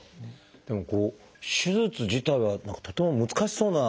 でも手術自体は何かとても難しそうな。